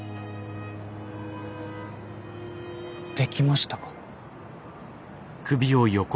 できましたか？